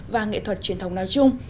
và nghệ thuật truyền thống nói chung